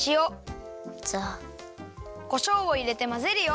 こしょうをいれてまぜるよ。